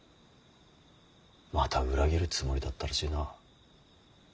また裏切るつもりだったらしいな。